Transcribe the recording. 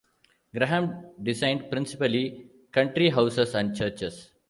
Graham designed principally country houses and churches.